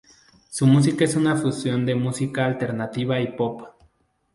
Su música es una fusión de música alternativa y pop.